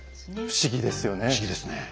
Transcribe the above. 不思議ですねえ。